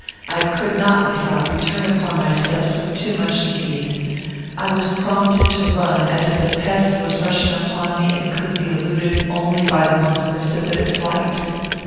I could not, methought, return upon my steps with too much speed. I was prompted to run, as if the pest was rushing upon me and could be eluded only by the most precipitate flight.